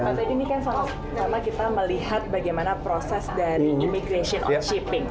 pak teddy ini kan sama sama kita melihat bagaimana proses dari immigration on shipping